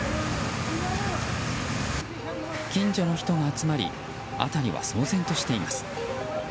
近所の人が集まり辺りは騒然としています。